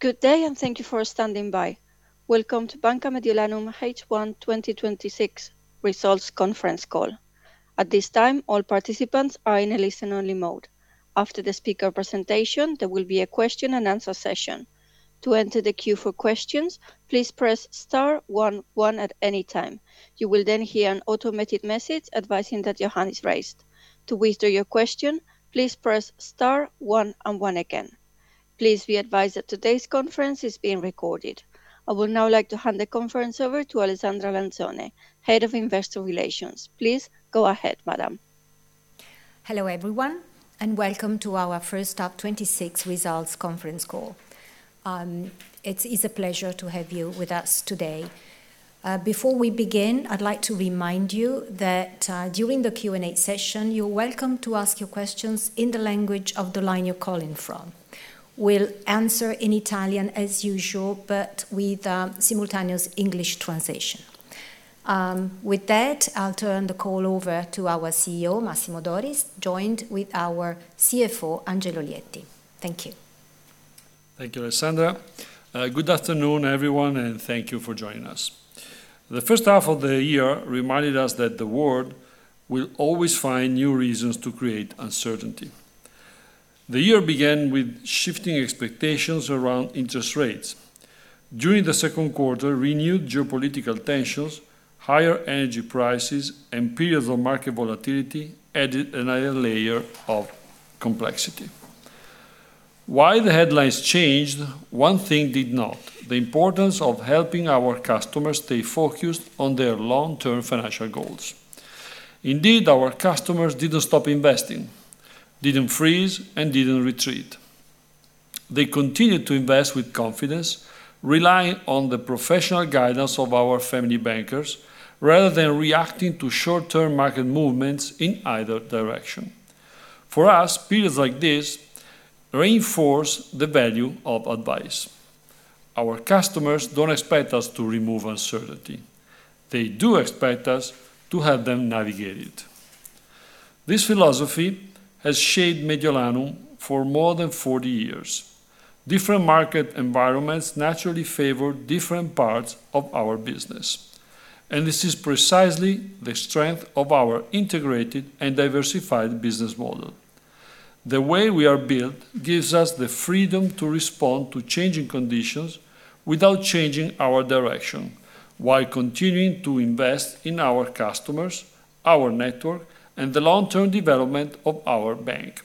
Good day. Thank you for standing by. Welcome to Banca Mediolanum H1 2026 results conference call. At this time, all participants are in a listen-only mode. After the speaker presentation, there will be a question-and-answer session. To enter the queue for questions, please press star one one at any time. You will hear an automated message advising that your hand is raised. To withdraw your question, please press star one and one again. Please be advised that today's conference is being recorded. I would now like to hand the conference over to Alessandra Lanzone, Head of Investor Relations. Please go ahead, madam. Hello, everyone. Welcome to our first half 2026 results conference call. It is a pleasure to have you with us today. Before we begin, I'd like to remind you that during the Q&A session, you're welcome to ask your questions in the language of the line you're calling from. We'll answer in Italian as usual, with a simultaneous English translation. With that, I'll turn the call over to our CEO, Massimo Doris, joined with our CFO, Angelo Lietti. Thank you. Thank you, Alessandra. Good afternoon, everyone. Thank you for joining us. The first half of the year reminded us that the world will always find new reasons to create uncertainty. The year began with shifting expectations around interest rates. During the second quarter, renewed geopolitical tensions, higher energy prices, and periods of market volatility added another layer of complexity. While the headlines changed, one thing did not, the importance of helping our customers stay focused on their long-term financial goals. Indeed, our customers didn't stop investing, didn't freeze, and didn't retreat. They continued to invest with confidence, relying on the professional guidance of our Family Bankers rather than reacting to short-term market movements in either direction. For us, periods like this reinforce the value of advice. Our customers don't expect us to remove uncertainty. They do expect us to help them navigate it. This philosophy has shaped Mediolanum for more than 40 years. Different market environments naturally favor different parts of our business. This is precisely the strength of our integrated and diversified business model. The way we are built gives us the freedom to respond to changing conditions without changing our direction, while continuing to invest in our customers, our network, and the long-term development of our bank.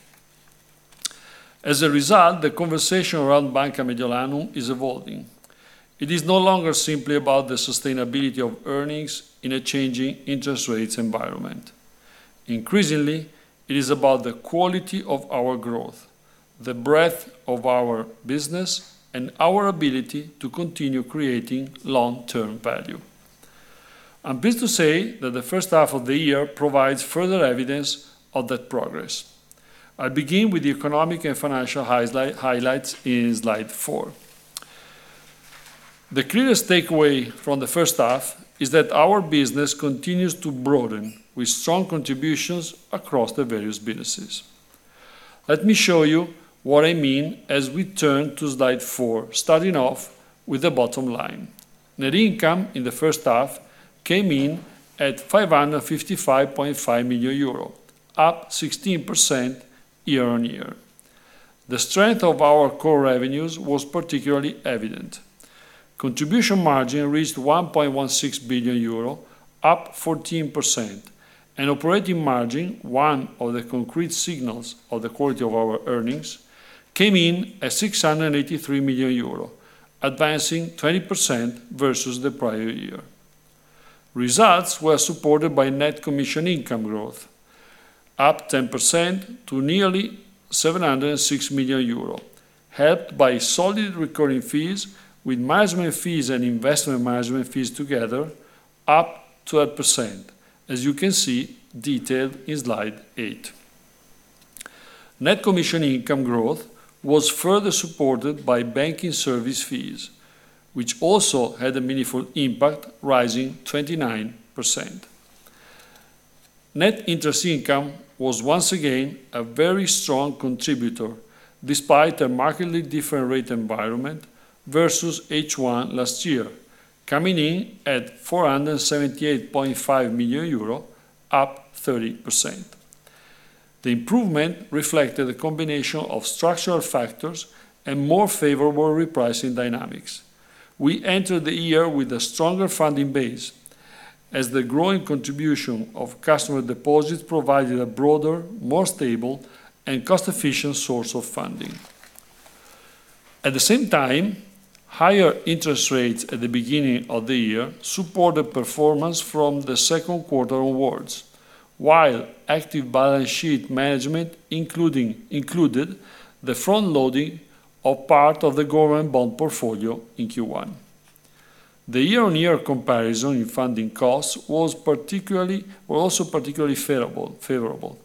As a result, the conversation around Banca Mediolanum is evolving. It is no longer simply about the sustainability of earnings in a changing interest rates environment. Increasingly, it is about the quality of our growth, the breadth of our business, and our ability to continue creating long-term value. I'm pleased to say that the first half of the year provides further evidence of that progress. I begin with the economic and financial highlights in Slide 4. The clearest takeaway from the first half is that our business continues to broaden with strong contributions across the various businesses. Let me show you what I mean as we turn to Slide four, starting off with the bottom line. Net income in the first half came in at 555.5 million euro, up 16% year on year. The strength of our core revenues was particularly evident. Contribution margin reached 1.16 billion euro, up 14%, and operating margin, one of the concrete signals of the quality of our earnings, came in at 683 million euro, advancing 20% versus the prior year. Results were supported by net commission income growth, up 10% to nearly 706 million euro, helped by solid recurring fees, with management fees and investment management fees together up 12%, as you can see detailed in Slide eight. Net commission income growth was further supported by banking service fees, which also had a meaningful impact, rising 29%. Net interest income was once again a very strong contributor, despite a markedly different rate environment versus H1 last year, coming in at 478.5 million euro, up 30%. The improvement reflected a combination of structural factors and more favorable repricing dynamics. We entered the year with a stronger funding base as the growing contribution of customer deposits provided a broader, more stable, and cost-efficient source of funding. At the same time, higher interest rates at the beginning of the year supported performance from the second quarter onwards, while active balance sheet management included the front loading of part of the government bond portfolio in Q1. The year on year comparison in funding costs was also particularly favorable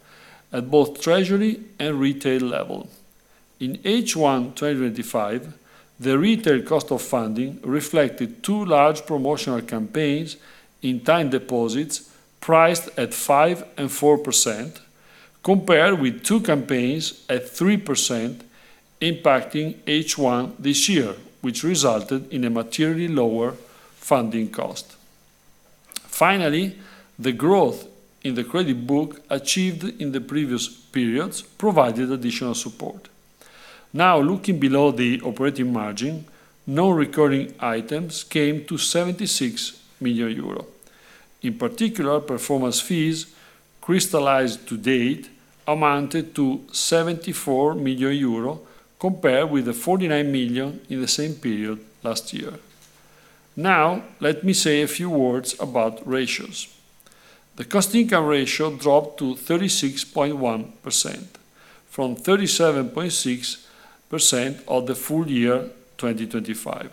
at both treasury and retail level. In H1 2025, the retail cost of funding reflected two large promotional campaigns in time deposits priced at 5% and 4%, compared with two campaigns at 3% impacting H1 this year, which resulted in a materially lower funding cost. Finally, the growth in the credit book achieved in the previous periods provided additional support. Now looking below the operating margin, non-recurring items came to 76 million euro. In particular, performance fees crystallized to date amounted to 74 million euro, compared with the 49 million in the same period last year. Now let me say a few words about ratios. The cost-income ratio dropped to 36.1% from 37.6% of the full year 2025.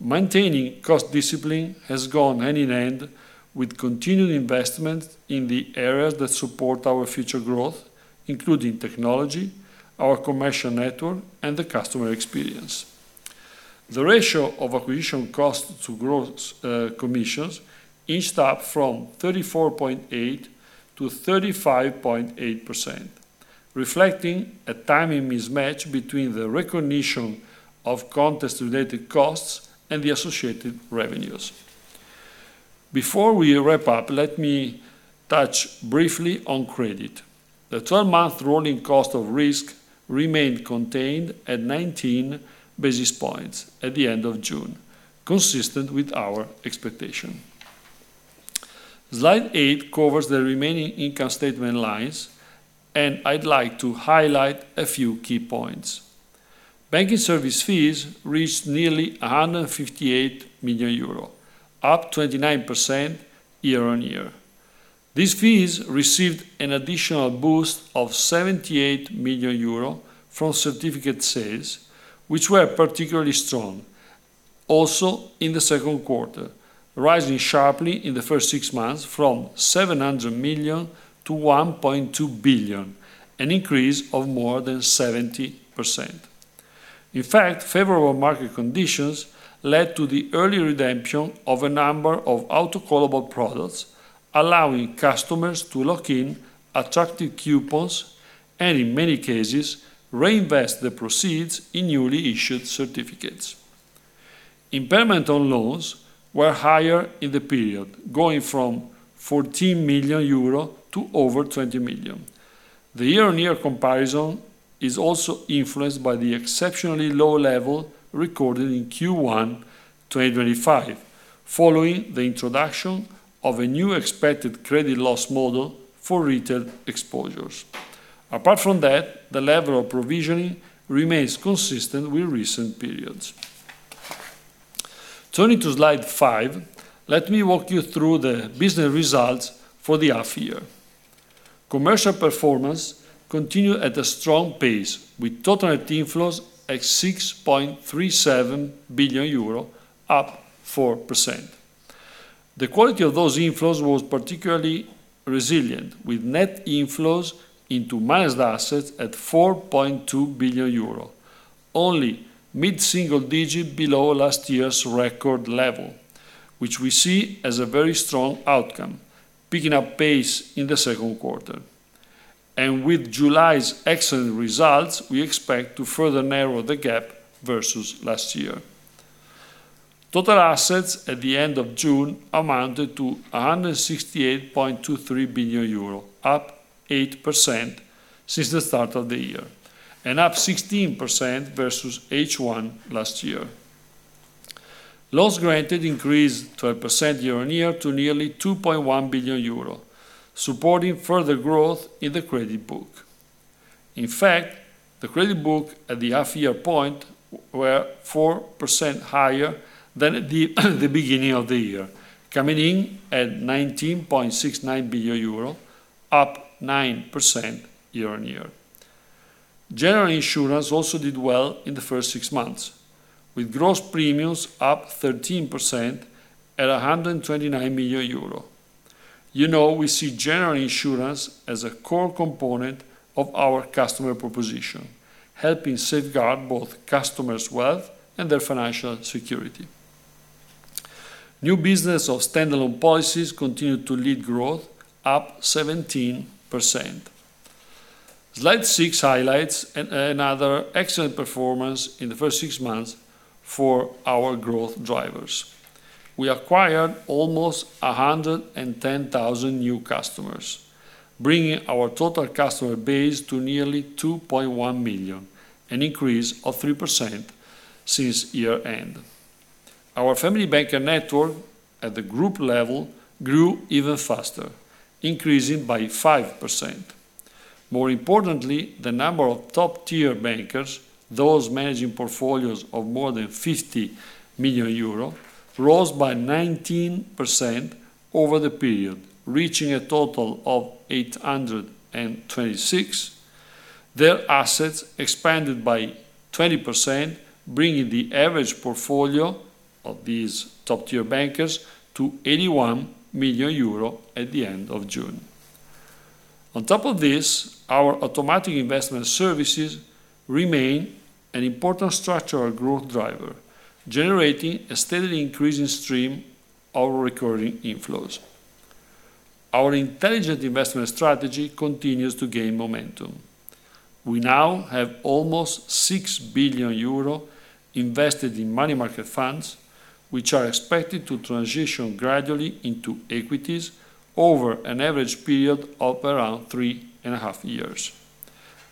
Maintaining cost discipline has gone hand in hand with continued investment in the areas that support our future growth, including technology, our commercial network, and the customer experience. The ratio of acquisition cost to growth commissions inched up from 34.8%-35.8%, reflecting a timing mismatch between the recognition of contestable costs and the associated revenues. Before we wrap up, let me touch briefly on credit. The 12-month rolling cost of risk remained contained at 19 basis points at the end of June, consistent with our expectation. Slide eight covers the remaining income statement lines, and I'd like to highlight a few key points. Banking service fees reached nearly 158 million euros, up 29% year on year. These fees received an additional boost of 78 million euro from certificate sales, which were particularly strong also in the second quarter, rising sharply in the first six months from 700 million to 1.2 billion, an increase of more than 70%. In fact, favorable market conditions led to the early redemption of a number of auto-callable products, allowing customers to lock in attractive coupons and, in many cases, reinvest the proceeds in newly issued certificates. Impairment on loans were higher in the period, going from 14 million euro to over 20 million. The year-over-year comparison is also influenced by the exceptionally low level recorded in Q1 2025, following the introduction of a new expected credit loss model for retail exposures. Apart from that, the level of provisioning remains consistent with recent periods. Turning to Slide 5, let me walk you through the business results for the half year. Commercial performance continued at a strong pace, with total net inflows at 6.37 billion euro, up 4%. The quality of those inflows was particularly resilient, with net inflows into managed assets at 4.2 billion euro, only mid-single digit below last year's record level, which we see as a very strong outcome, picking up pace in the second quarter. With July's excellent results, we expect to further narrow the gap versus last year. Total assets at the end of June amounted to 168.23 billion euro, up 8% since the start of the year, and up 16% versus H1 last year. Loans granted increased 12% year-over-year to nearly 2.1 billion euro, supporting further growth in the credit book. In fact, the credit book at the half-year point were 4% higher than at the beginning of the year, coming in at 19.69 billion euro, up 9% year-over-year. General insurance also did well in the first six months, with gross premiums up 13% at 129 million euro. You know we see general insurance as a core component of our customer proposition, helping safeguard both customers' wealth and their financial security. New business of standalone policies continued to lead growth, up 17%. Slide six highlights another excellent performance in the first six months for our growth drivers. We acquired almost 110,000 new customers, bringing our total customer base to nearly 2.1 million, an increase of 3% since year end. Our Family Banker network at the group level grew even faster, increasing by 5%. More importantly, the number of top-tier bankers, those managing portfolios of more than 50 million euros, rose by 19% over the period, reaching a total of 826. Their assets expanded by 20%, bringing the average portfolio of these top-tier bankers to 81 million euro at the end of June. On top of this, our automatic investment services remain an important structural growth driver, generating a steady increase in stream of recurring inflows. Our Intelligent Investment Strategy continues to gain momentum. We now have almost 6 billion euro invested in money market funds, which are expected to transition gradually into equities over an average period of around three and a half years.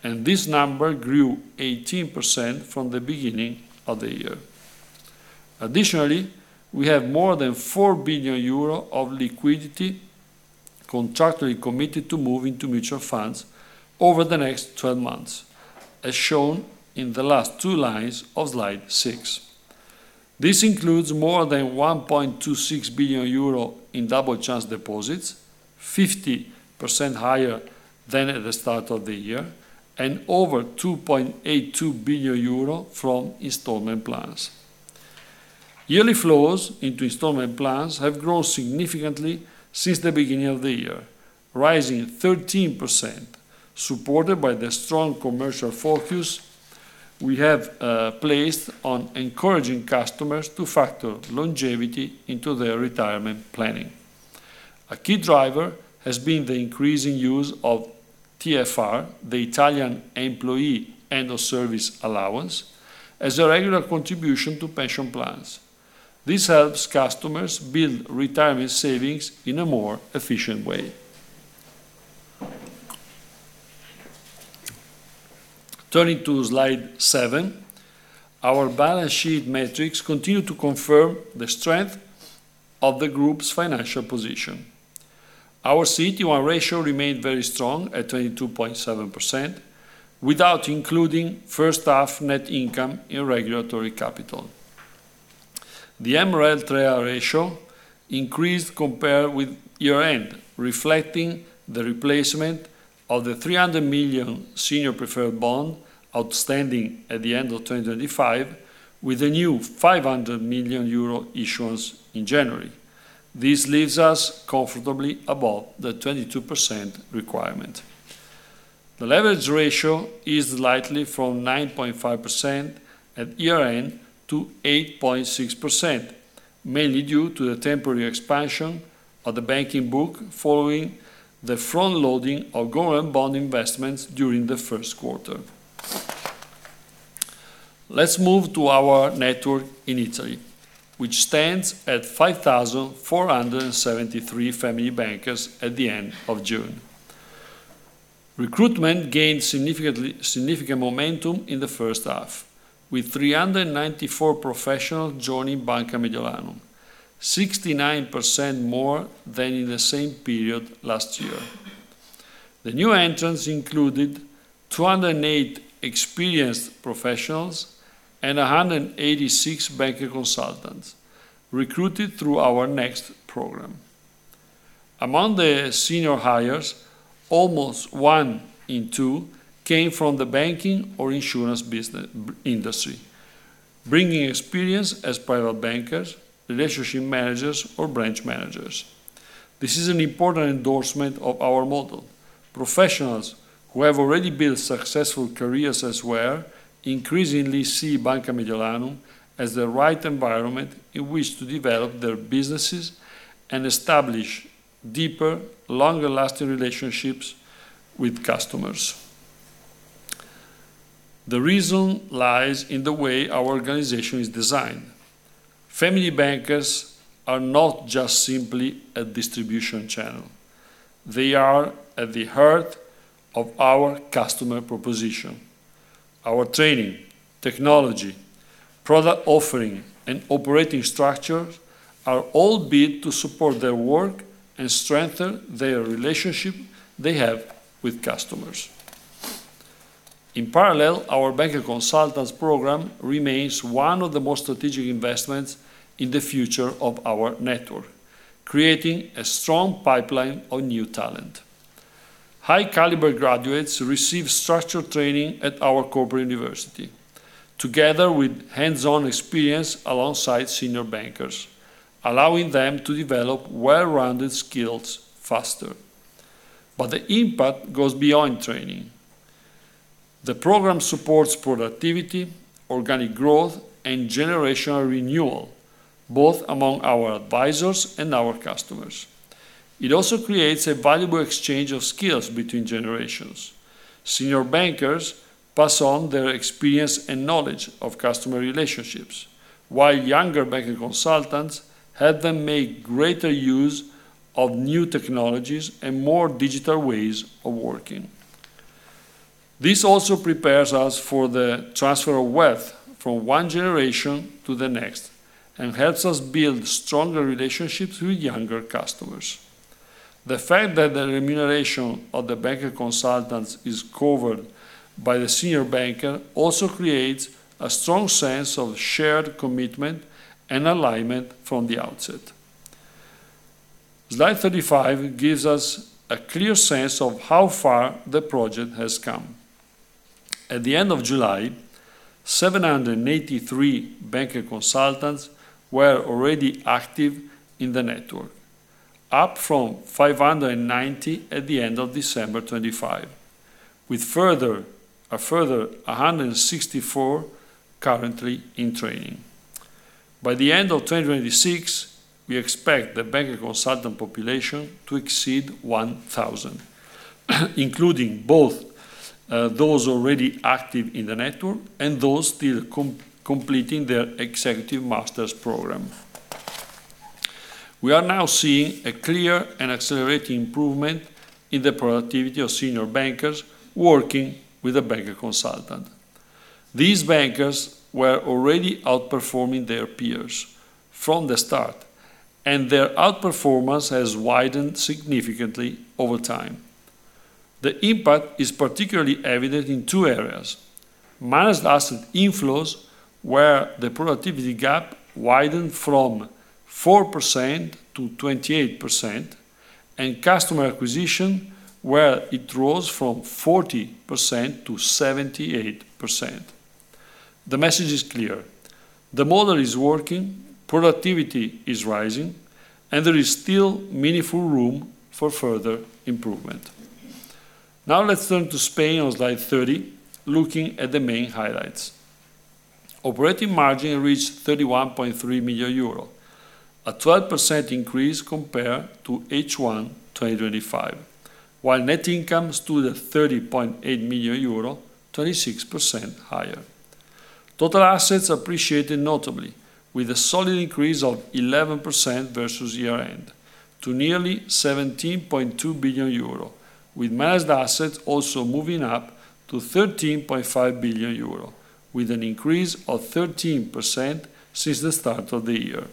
This number grew 18% from the beginning of the year. Additionally, we have more than 4 billion euro of liquidity contractually committed to move into mutual funds over the next 12 months, as shown in the last two lines of Slide 6. This includes more than 1.26 billion euro in Double Chance deposits, 50% higher than at the start of the year, and over 2.82 billion euro from installment plans. Yearly flows into installment plans have grown significantly since the beginning of the year, rising 13%, supported by the strong commercial focus we have placed on encouraging customers to factor longevity into their retirement planning. A key driver has been the increasing use of TFR, the Italian employee end-of-service allowance, as a regular contribution to pension plans. This helps customers build retirement savings in a more efficient way. Turning to slide seven, our balance sheet metrics continue to confirm the strength of the group's financial position. Our CET1 ratio remained very strong at 22.7%, without including first half net income in regulatory capital. The MREL TREA ratio increased compared with year-end, reflecting the replacement of the 300 million senior preferred bond outstanding at the end of 2025 with a new 500 million euro issuance in January. This leaves us comfortably above the 22% requirement. The leverage ratio fell from 9.5% at year-end to 8.6%, mainly due to the temporary expansion of the banking book following the frontloading of government bond investments during the first quarter. Let's move to our network in Italy, which stands at 5,473 Family Bankers at the end of June. Recruitment gained significant momentum in the first half, with 394 professionals joining Banca Mediolanum, 69% more than in the same period last year. The new entrants included 208 experienced professionals and 186 Banker Consultants recruited through our Next program. Among the senior hires, almost one in two came from the banking or insurance industry, bringing experience as private bankers, relationship managers, or branch managers. This is an important endorsement of our model. Professionals who have already built successful careers elsewhere increasingly see Banca Mediolanum as the right environment in which to develop their businesses and establish deeper, longer-lasting relationships with customers. The reason lies in the way our organization is designed. Family Bankers are not just simply a distribution channel. They are at the heart of our customer proposition. Our training, technology, product offering, and operating structure are all built to support their work and strengthen their relationship they have with customers. In parallel, our Banker Consultants program remains one of the most strategic investments in the future of our network, creating a strong pipeline of new talent. High-caliber graduates receive structured training at our Corporate University, together with hands-on experience alongside Senior Bankers, allowing them to develop well-rounded skills faster. The impact goes beyond training. The program supports productivity, organic growth, and generational renewal, both among our advisors and our customers. It also creates a valuable exchange of skills between generations. Senior Bankers pass on their experience and knowledge of customer relationships, while younger Banker Consultants help them make greater use of new technologies and more digital ways of working. This also prepares us for the transfer of wealth from one generation to the next, and helps us build stronger relationships with younger customers. The fact that the remuneration of the Banker Consultants is covered by the Senior Banker also creates a strong sense of shared commitment and alignment from the outset. Slide 35 gives us a clear sense of how far the project has come. At the end of July, 783 Banker Consultants were already active in the network, up from 590 at the end of December 2025, with a further 164 currently in training. By the end of 2026, we expect the Banker Consultant population to exceed 1,000, including both those already active in the network and those still completing their executive master's program. We are now seeing a clear and accelerating improvement in the productivity of senior bankers working with a Banker Consultant. These bankers were already outperforming their peers from the start, and their outperformance has widened significantly over time. The impact is particularly evident in two areas, managed asset inflows, where the productivity gap widened from 4%-28%, and customer acquisition, where it rose from 40%-78%. The message is clear. The model is working, productivity is rising, and there is still meaningful room for further improvement. Let's turn to Spain on slide 30, looking at the main highlights. Operating margin reached 31.3 million euro, a 12% increase compared to H1 2025, while net income stood at 30.8 million euro, 26% higher. Total assets appreciated notably, with a solid increase of 11% versus year-end to nearly 17.2 billion euro, with managed assets also moving up to 13.5 billion euro, with an increase of 13% since the start of the year.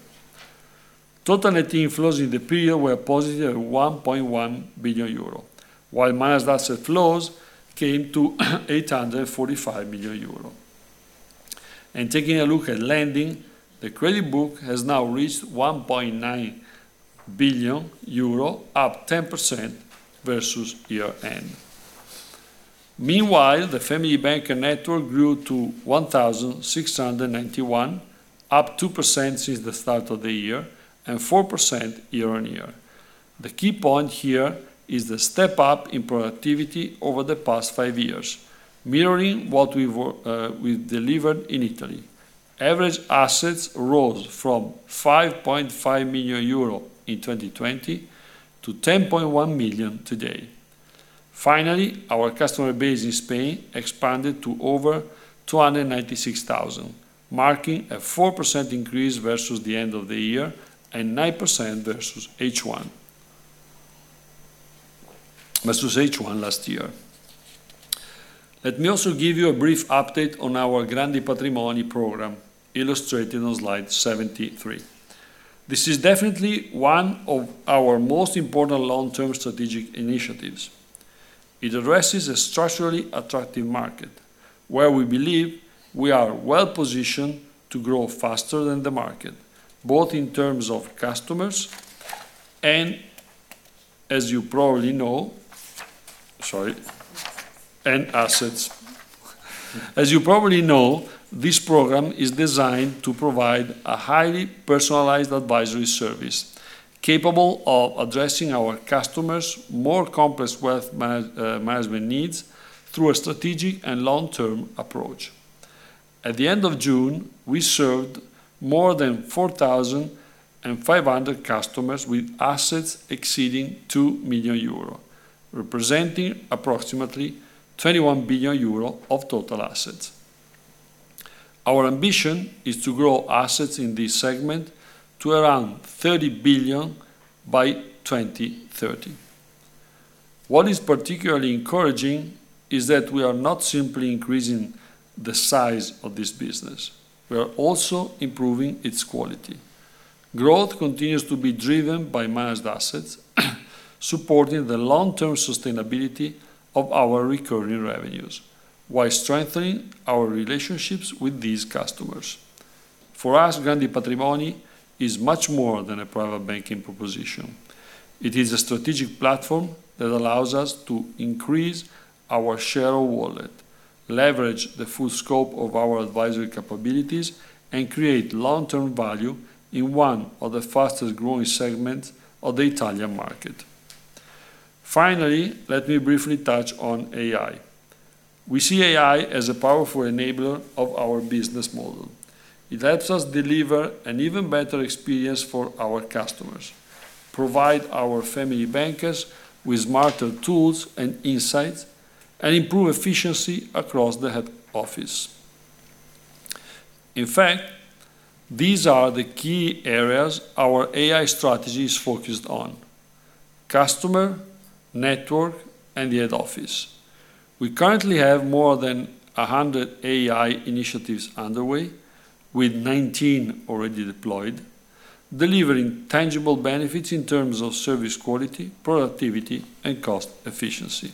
Total net inflows in the period were positive at 1.1 billion euro, while managed asset flows came to 845 million euro. Taking a look at lending, the credit book has now reached 1.9 billion euro, up 10% versus year-end. Meanwhile, the Family Banker network grew to 1,691, up 2% since the start of the year and 4% year-on-year. The key point here is the step-up in productivity over the past five years, mirroring what we've delivered in Italy. Average assets rose from 5.5 million euro in 2020 to 10.1 million today. Finally, our customer base in Spain expanded to over 296,000, marking a 4% increase versus the end of the year and 9% versus H1 last year. Let me also give you a brief update on our Grandi Patrimoni program, illustrated on slide 73. This is definitely one of our most important long-term strategic initiatives. It addresses a structurally attractive market, where we believe we are well-positioned to grow faster than the market, both in terms of customers and as you probably know. Assets. As you probably know, this program is designed to provide a highly personalized advisory service, capable of addressing our customers' more complex wealth management needs through a strategic and long-term approach. At the end of June, we served more than 4,500 customers with assets exceeding 2 million euro, representing approximately 21 billion euro of total assets. Our ambition is to grow assets in this segment to around 30 billion by 2030. What is particularly encouraging is that we are not simply increasing the size of this business. We are also improving its quality. Growth continues to be driven by managed assets, supporting the long-term sustainability of our recurring revenues while strengthening our relationships with these customers. For us, Grandi Patrimoni is much more than a private banking proposition. It is a strategic platform that allows us to increase our share of wallet, leverage the full scope of our advisory capabilities, and create long-term value in one of the fastest-growing segments of the Italian market. Finally, let me briefly touch on AI. We see AI as a powerful enabler of our business model. It helps us deliver an even better experience for our customers, provide our Family Bankers with smarter tools and insights, and improve efficiency across the head office. In fact, these are the key areas our AI strategy is focused on: customer, network, and the head office. We currently have more than 100 AI initiatives underway, with 19 already deployed, delivering tangible benefits in terms of service quality, productivity, and cost efficiency.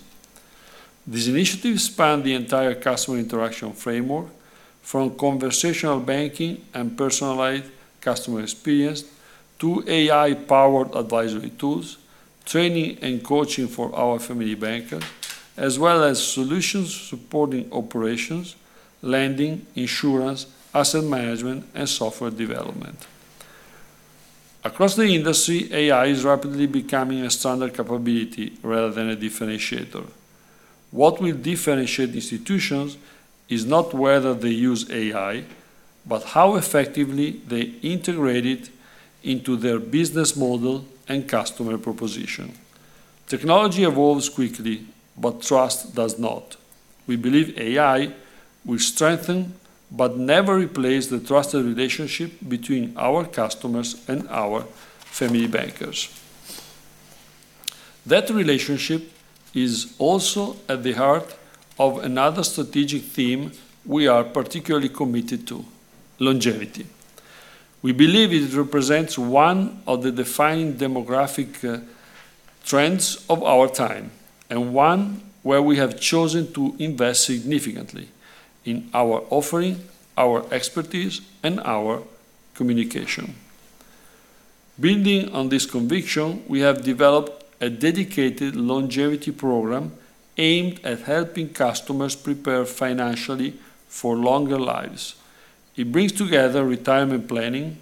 These initiatives span the entire customer interaction framework. From conversational banking and personalized customer experience to AI-powered advisory tools, training and coaching for our Family Bankers, as well as solutions supporting operations, lending, insurance, asset management, and software development. Across the industry, AI is rapidly becoming a standard capability rather than a differentiator. What will differentiate institutions is not whether they use AI, but how effectively they integrate it into their business model and customer proposition. Technology evolves quickly, but trust does not. We believe AI will strengthen, but never replace the trusted relationship between our customers and our Family Bankers. That relationship is also at the heart of another strategic theme we are particularly committed to, longevity. We believe it represents one of the defining demographic trends of our time, and one where we have chosen to invest significantly in our offering, our expertise, and our communication. Building on this conviction, we have developed a dedicated Longevity Program aimed at helping customers prepare financially for longer lives. It brings together retirement planning,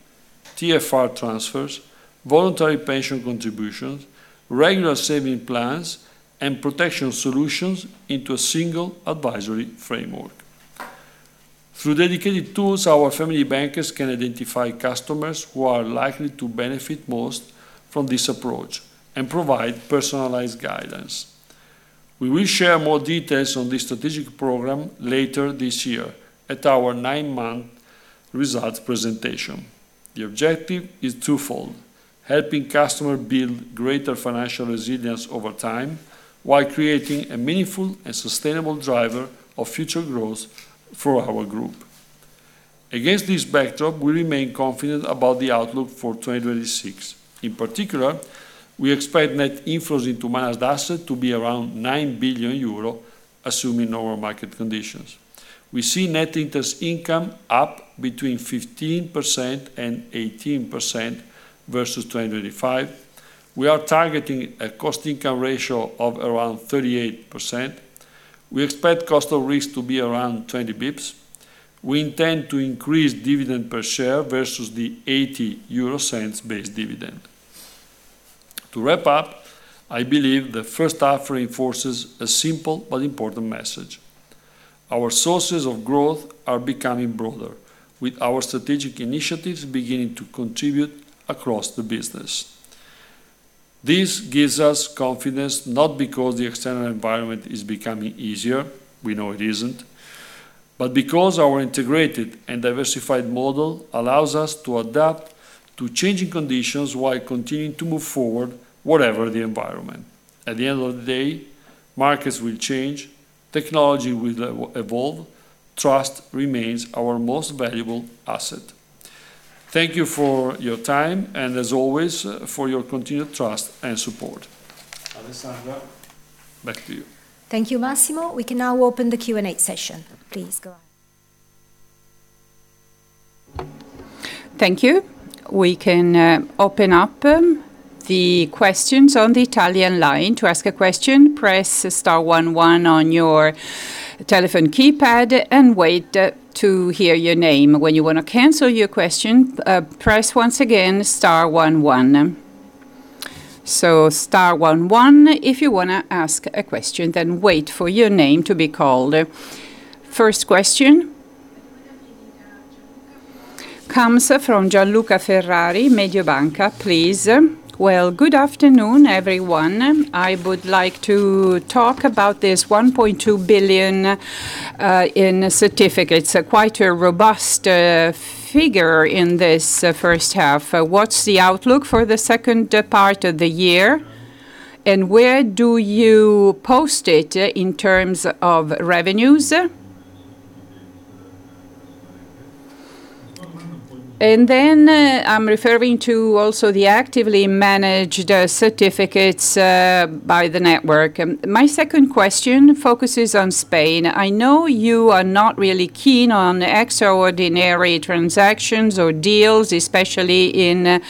TFR transfers, voluntary pension contributions, regular saving plans, and protection solutions into a single advisory framework. Through dedicated tools, our Family Bankers can identify customers who are likely to benefit most from this approach and provide personalized guidance. We will share more details on this strategic program later this year at our nine-month result presentation. The objective is twofold, helping customers build greater financial resilience over time, while creating a meaningful and sustainable driver of future growth for our group. Against this backdrop, we remain confident about the outlook for 2026. In particular, we expect net inflows into managed assets to be around 9 billion euro, assuming normal market conditions. We see NII up between 15%-18% versus 2025. We are targeting a cost-income ratio of around 38%. We expect cost of risk to be around 20 basis points. We intend to increase dividend per share versus the 0.80 base dividend. To wrap up, I believe the first half reinforces a simple but important message. Our sources of growth are becoming broader, with our strategic initiatives beginning to contribute across the business. This gives us confidence, not because the external environment is becoming easier, we know it isn't, but because our integrated and diversified model allows us to adapt to changing conditions while continuing to move forward whatever the environment. At the end of the day, markets will change, technology will evolve, trust remains our most valuable asset. Thank you for your time, and as always, for your continued trust and support. Alessandra. Back to you. Thank you, Massimo. We can now open the Q&A session. Please, go ahead. Thank you. We can open up the questions on the Italian line. To ask a question, press star one one on your telephone keypad and wait to hear your name. When you want to cancel your question, press once again star one one. So star one one if you want to ask a question, then wait for your name to be called. First question comes from Gianluca Ferrari, Mediobanca, please. Well, good afternoon, everyone. I would like to talk about this 1.2 billion in certificates, quite a robust figure in this first half. What's the outlook for the second part of the year, and where do you post it in terms of revenues? Then I'm referring to also the actively managed certificates by the network. My second question focuses on Spain. I know you are not really keen on extraordinary transactions or deals, especially in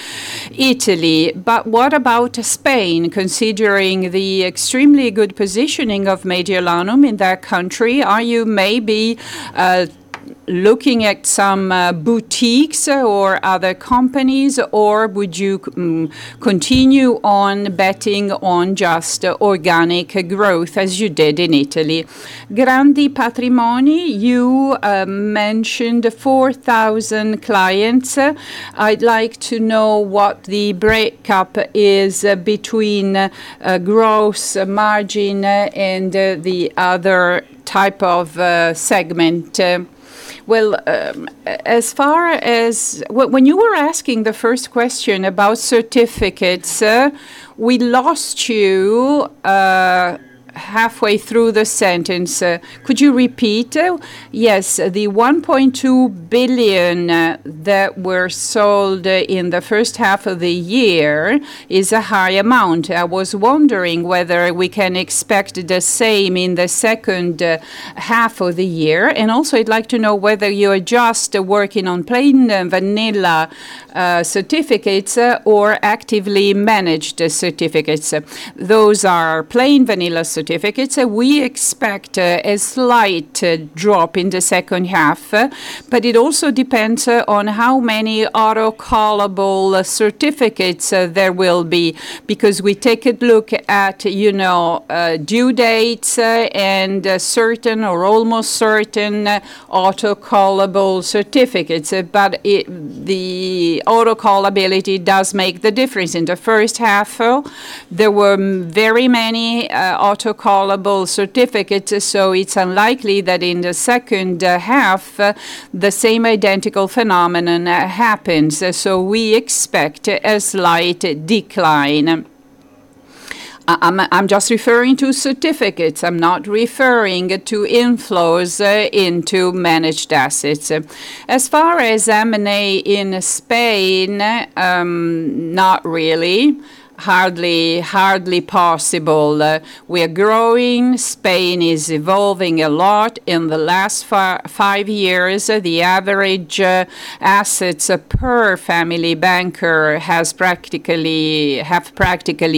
Italy. What about Spain, considering the extremely good positioning of Mediolanum in that country? Are you maybe looking at some boutiques or other companies, or would you continue on betting on just organic growth as you did in Italy? Grandi Patrimoni, you mentioned 4,000 clients. I'd like to know what the breakup is between gross margin and the other type of segment. Well, when you were asking the first question about certificates, we lost you halfway through the sentence. Could you repeat? Yes. The 1.2 billion that were sold in the first half of the year is a high amount. I was wondering whether we can expect the same in the second half of the year. Also, I'd like to know whether you are just working on plain vanilla certificates or actively managed certificates. Those are plain vanilla certificates. We expect a slight drop in the second half. It also depends on how many auto-callable certificates there will be. We take a look at due dates and certain, or almost certain auto-callable certificates. The auto call ability does make the difference. In the first half, there were very many auto-callable certificates, it's unlikely that in the second half, the same identical phenomenon happens. We expect a slight decline. I'm just referring to certificates. I'm not referring to inflows into managed assets. As far as M&A in Spain, not really. Hardly possible. We are growing. Spain is evolving a lot. In the last five years, the average assets per Family Banker have practically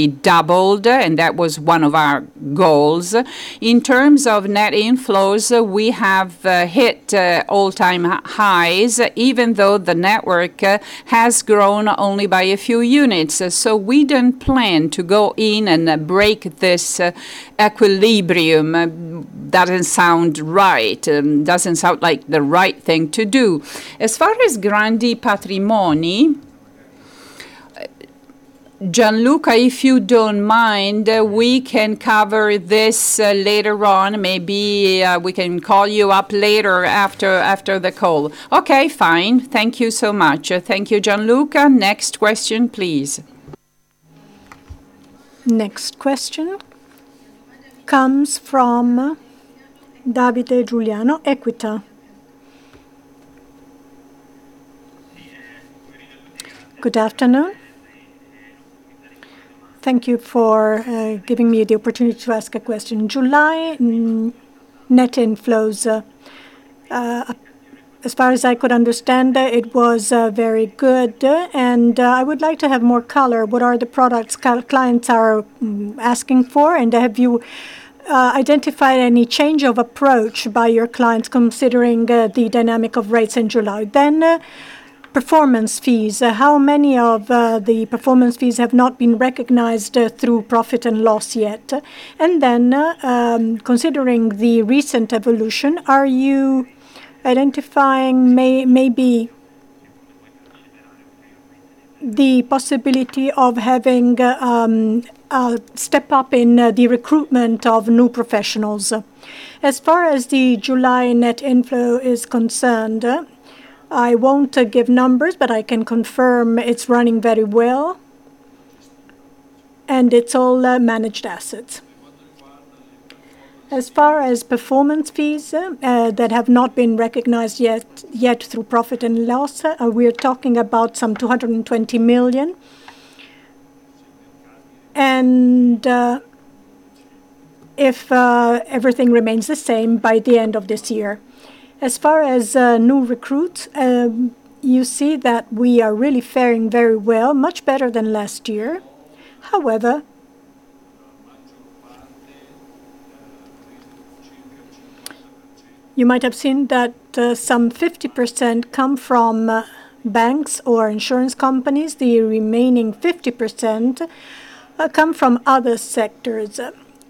doubled, and that was one of our goals. In terms of net inflows, we have hit all-time highs, even though the network has grown only by a few units. We don't plan to go in and break this equilibrium. Doesn't sound right. Doesn't sound like the right thing to do. As far as Grandi Patrimoni, Gianluca, if you don't mind, we can cover this later on. Maybe we can call you up later after the call. Okay, fine. Thank you so much. Thank you, Gianluca. Next question, please. Next question comes from Davide Iacono, Equita. Good afternoon. Thank you for giving me the opportunity to ask a question. July net inflows, as far as I could understand, it was very good, and I would like to have more color. What are the products clients are asking for? Have you identified any change of approach by your clients considering the dynamic of rates in July? Performance fees. How many of the performance fees have not been recognized through profit and loss yet? Considering the recent evolution, are you identifying maybe the possibility of having a step up in the recruitment of new professionals? As far as the July net inflow is concerned, I won't give numbers, but I can confirm it's running very well, and it's all managed assets. As far as performance fees that have not been recognized yet through profit and loss, we are talking about some 220 million, and if everything remains the same, by the end of this year. As far as new recruits, you see that we are really fairing very well, much better than last year. However, you might have seen that some 50% come from banks or insurance companies. The remaining 50% come from other sectors.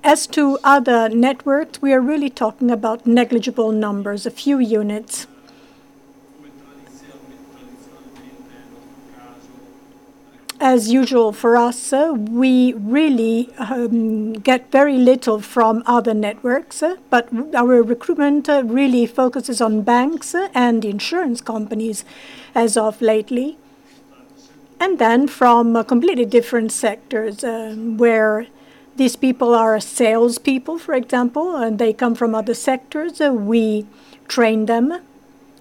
As to other networks, we are really talking about negligible numbers, a few units. As usual for us, we really get very little from other networks, but our recruitment really focuses on banks and insurance companies as of lately. From completely different sectors, where these people are salespeople, for example, and they come from other sectors. We train them,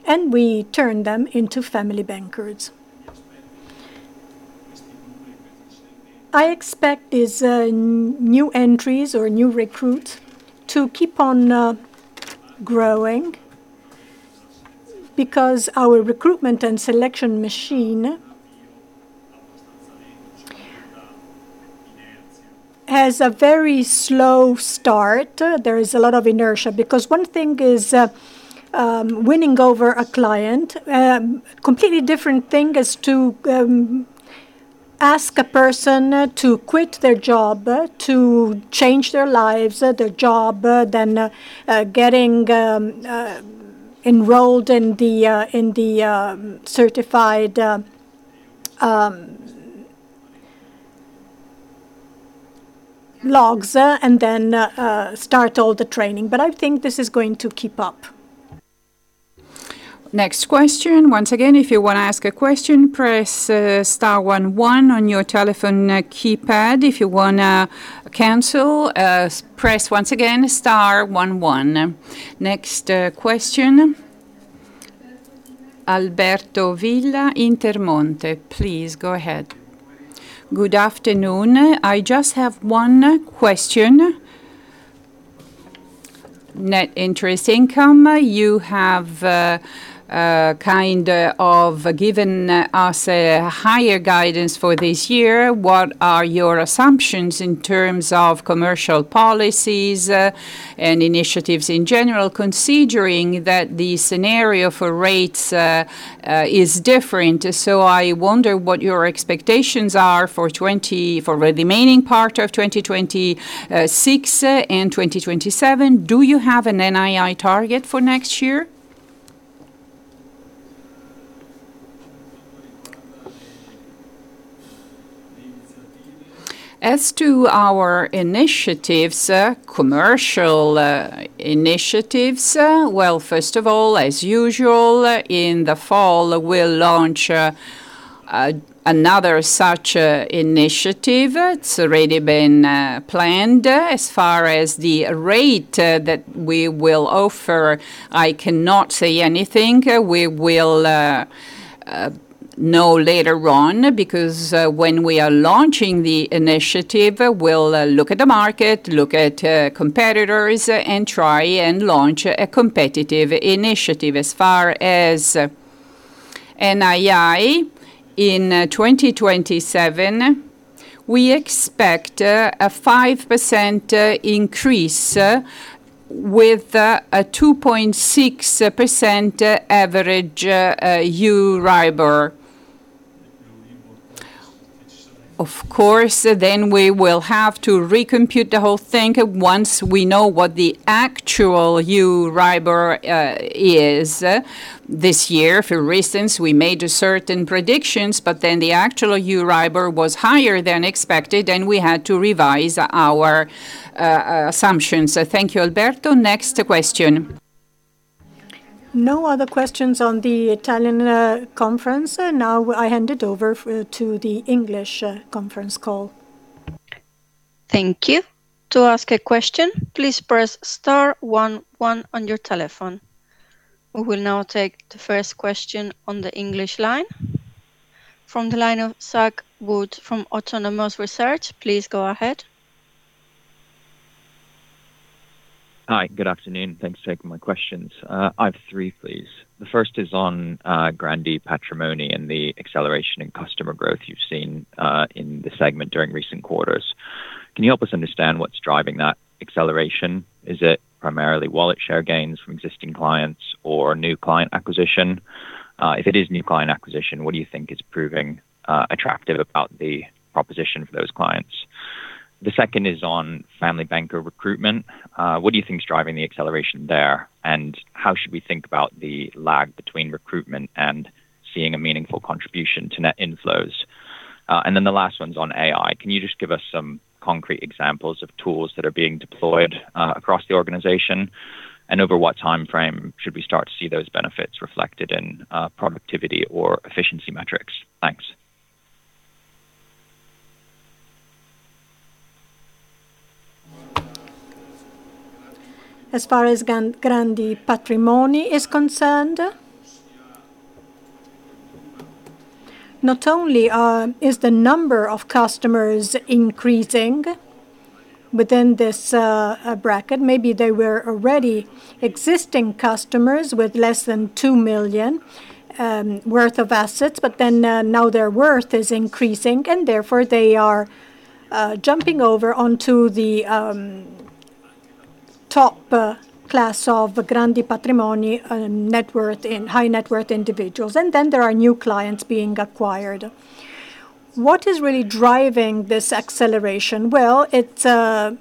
and we turn them into Family Bankers. I expect these new entries or new recruits to keep on growing because our recruitment and selection machine has a very slow start. There is a lot of inertia. One thing is winning over a client, completely different thing is to ask a person to quit their job, to change their lives, their job, then getting enrolled in the certified rolls, and then start all the training. I think this is going to keep up. Next question. Once again, if you want to ask a question, press star one one on your telephone keypad. If you want to cancel, press once again star one one. Next question. Alberto Villa, Intermonte, please go ahead. Good afternoon. I just have one question. Net interest income, you have given us a higher guidance for this year. What are your assumptions in terms of commercial policies and initiatives in general, considering that the scenario for rates is different? I wonder what your expectations are for the remaining part of 2026 and 2027. Do you have an NII target for next year? As to our initiatives, commercial initiatives, well, first of all, as usual, in the fall, we'll launch another such initiative. It's already been planned. As far as the rate that we will offer, I cannot say anything. We will know later on. When we are launching the initiative, we'll look at the market, look at competitors, and try and launch a competitive initiative. As far as NII, in 2027, we expect a 5% increase with a 2.6% average Euribor. Of course, we will have to recompute the whole thing once we know what the actual Euribor is this year. For reasons, we made certain predictions, the actual Euribor was higher than expected, and we had to revise our assumptions. Thank you, Alberto. Next question. No other questions on the Italian conference. I hand it over to the English conference call. Thank you. To ask a question, please press star one one on your telephone. We will now take the first question on the English line. From the line of Zach Wurz from Autonomous Research, please go ahead. Hi, good afternoon. Thanks for taking my questions. I have three, please. The first is on Grandi Patrimoni and the acceleration in customer growth you've seen in the segment during recent quarters. Can you help us understand what's driving that acceleration? Is it primarily wallet share gains from existing clients or new client acquisition? If it is new client acquisition, what do you think is proving attractive about the proposition for those clients? The second is on Family Banker recruitment. What do you think is driving the acceleration there, and how should we think about the lag between recruitment and seeing a meaningful contribution to net inflows? The last one's on AI. Can you just give us some concrete examples of tools that are being deployed across the organization, and over what timeframe should we start to see those benefits reflected in productivity or efficiency metrics? Thanks. As far as Grandi Patrimoni is concerned, not only is the number of customers increasing within this bracket, maybe they were already existing customers with less than 2 million worth of assets, but now their worth is increasing, and therefore they are jumping over onto the top class of Grandi Patrimoni high net worth individuals. There are new clients being acquired. What is really driving this acceleration? Well, it's a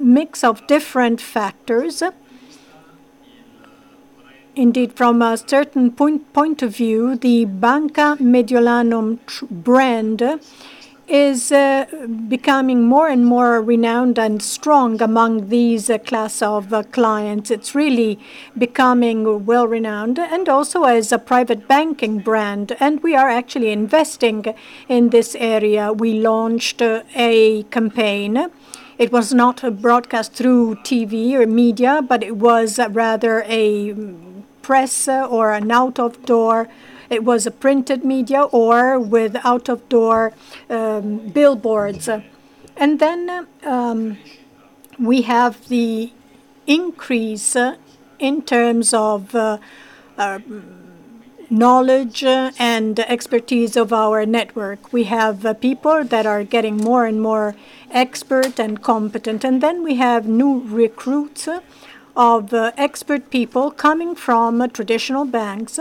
mix of different factors. Indeed, from a certain point of view, the Banca Mediolanum brand is becoming more and more renowned and strong among these class of clients. It's really becoming well-renowned and also as a private banking brand, and we are actually investing in this area. We launched a campaign. It was not broadcast through TV or media, but it was rather a press or an out-of-door. It was a printed media or with out-of-door billboards. We have the increase in terms of knowledge and expertise of our network. We have people that are getting more and more expert and competent, we have new recruits of expert people coming from traditional banks.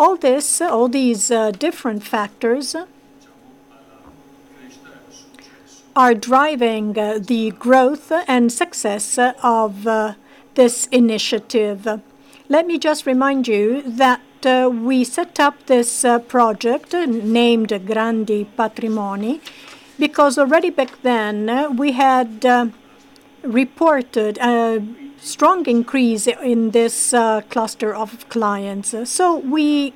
All these different factors are driving the growth and success of this initiative. Let me just remind you that we set up this project, named Grandi Patrimoni, because already back then, we had Reported a strong increase in this cluster of clients. We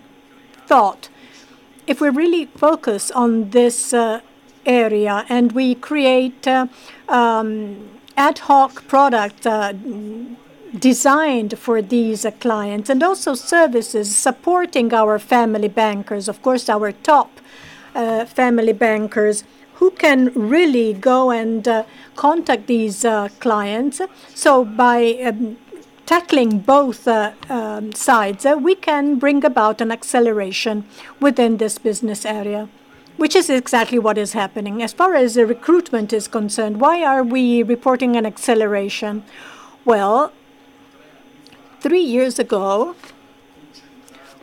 thought, if we really focus on this area, and we create ad hoc product designed for these clients, and also services supporting our Family Bankers, of course, our top Family Bankers, who can really go and contact these clients. By tackling both sides, we can bring about an acceleration within this business area, which is exactly what is happening. As far as recruitment is concerned, why are we reporting an acceleration? Three years ago,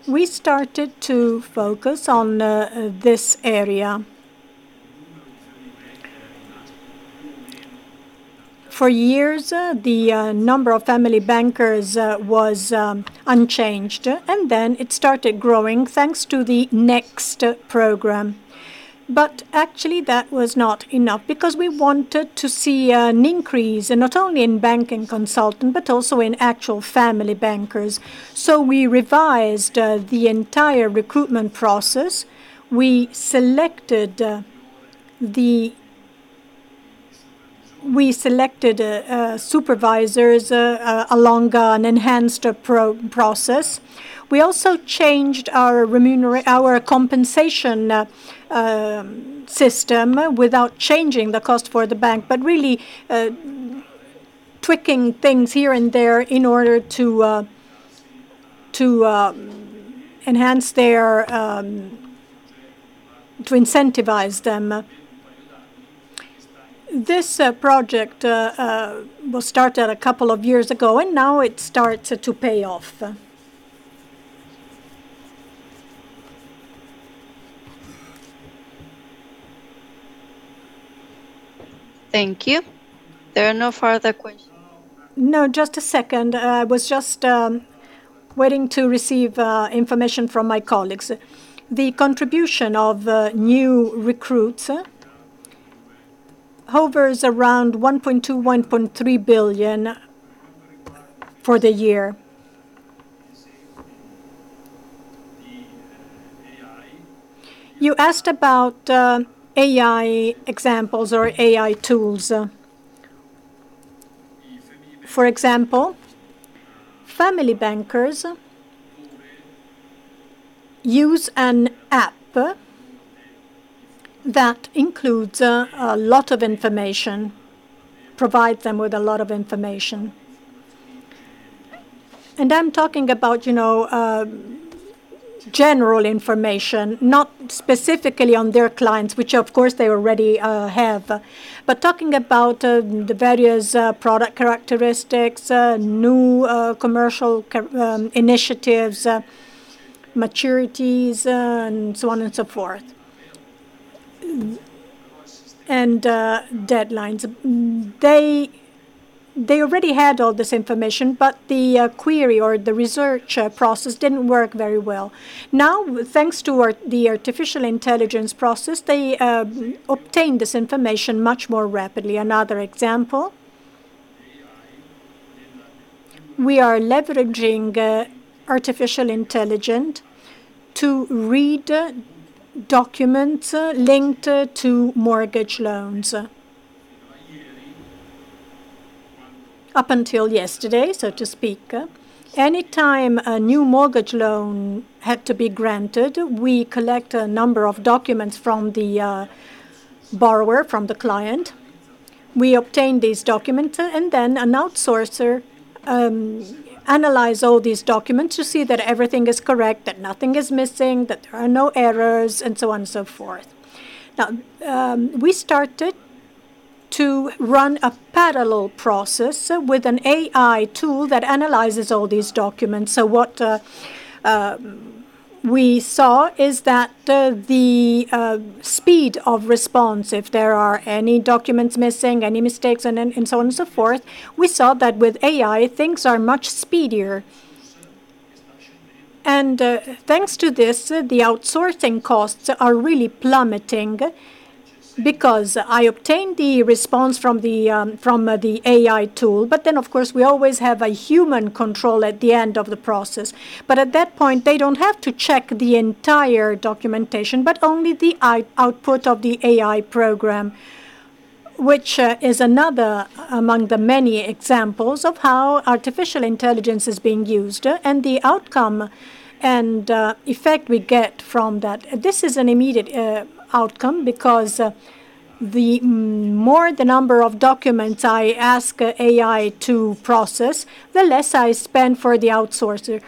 we started to focus on this area. For years, the number of Family Bankers was unchanged, then it started growing thanks to the Next program. That was not enough because we wanted to see an increase, not only in Banker Consultant, but also in actual Family Bankers. We revised the entire recruitment process. We selected supervisors along an enhanced process. We also changed our compensation system without changing the cost for the bank, but really tweaking things here and there in order to incentivize them. This project was started a couple of years ago, now it starts to pay off. Thank you. There are no further questions. No, just a second. I was just waiting to receive information from my colleagues. The contribution of new recruits hovers around 1.2 billion-1.3 billion for the year. You asked about AI examples or AI tools. For example, Family Bankers use an app that includes a lot of information, provides them with a lot of information. I'm talking about general information, not specifically on their clients, which of course they already have, but talking about the various product characteristics, new commercial initiatives, maturities, and so on and so forth, and deadlines. They already had all this information, but the query or the research process didn't work very well. Thanks to the artificial intelligence process, they obtain this information much more rapidly. Another example, we are leveraging artificial intelligence to read documents linked to mortgage loans. Up until yesterday, so to speak, any time a new mortgage loan had to be granted, we collect a number of documents from the borrower, from the client. We obtain these documents, and then an outsourcer analyzes all these documents to see that everything is correct, that nothing is missing, that there are no errors, and so on and so forth. We started to run a parallel process with an AI tool that analyzes all these documents. What we saw is that the speed of response, if there are any documents missing, any mistakes, and so on and so forth, we saw that with AI, things are much speedier. Thanks to this, the outsourcing costs are really plummeting, because I obtain the response from the AI tool, but then, of course, we always have a human control at the end of the process. At that point, they don't have to check the entire documentation, but only the output of the AI program, which is another among the many examples of how artificial intelligence is being used, and the outcome and effect we get from that. This is an immediate outcome because the more the number of documents I ask AI to process, the less I spend for the outsourcing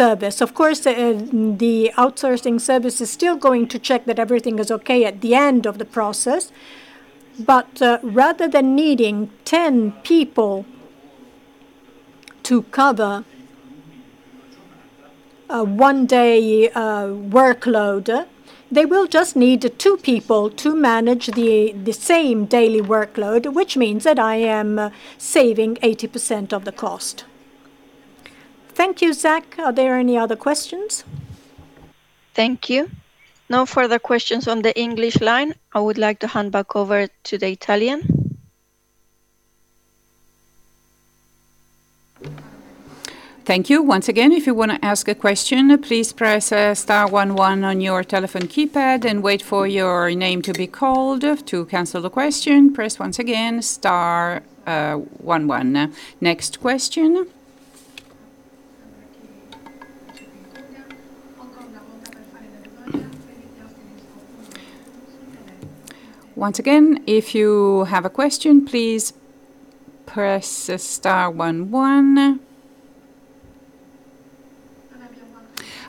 service. Of course, the outsourcing service is still going to check that everything is okay at the end of the process, but rather than needing 10 people to cover a one-day workload, they will just need two people to manage the same daily workload, which means that I am saving 80% of the cost. Thank you, Zach. Are there any other questions? Thank you. No further questions on the English line. I would like to hand back over to the Italian. Thank you. Once again, if you want to ask a question, please press star one one on your telephone keypad and wait for your name to be called. To cancel the question, press once again star one one. Next question. Once again, if you have a question, please press star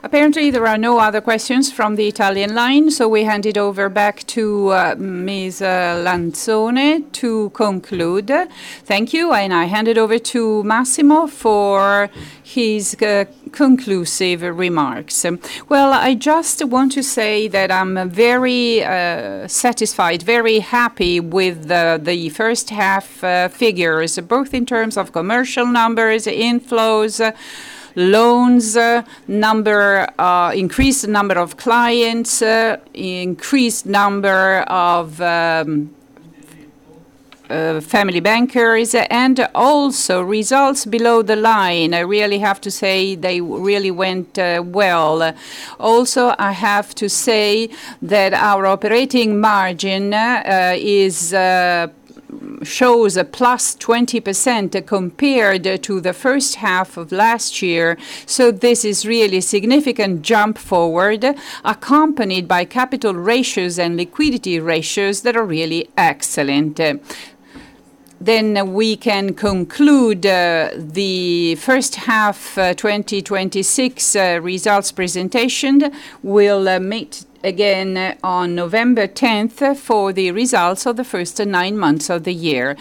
one one. Apparently, there are no other questions from the Italian line, so we hand it over back to Ms. Lanzone to conclude. Thank you. I hand it over to Massimo for his conclusive remarks. I just want to say that I'm very satisfied, very happy with the first half figures, both in terms of commercial numbers, inflows, loans number, increased number of clients, increased number of Family Bankers, and also results below the line. I really have to say they really went well. I have to say that our operating margin shows a +20% compared to the first half of last year. This is really significant jump forward, accompanied by capital ratios and liquidity ratios that are really excellent. We can conclude the first half 2026 results presentation. We'll meet again on November 10th for the results of the first nine months of the year.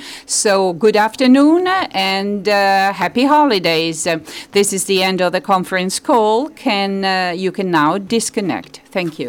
Good afternoon, and happy holidays. This is the end of the conference call. You can now disconnect. Thank you.